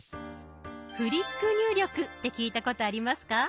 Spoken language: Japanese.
「フリック入力」って聞いたことありますか？